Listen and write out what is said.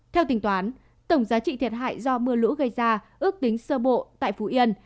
theo tính toán tổng giá trị thiệt hại do mưa lũ gây ra ước tính sơ bộ tại phú yên